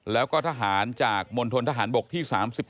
แล้วก็ทหารจากมณฑนทหารบกที่๓๗